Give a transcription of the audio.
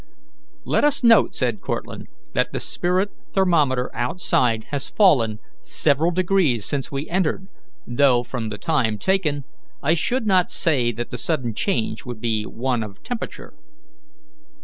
"Let us note," said Cortlandt, "that the spirit thermometer outside has fallen several degrees since we entered, though, from the time taken, I should not say that the sudden change would be one of temperature."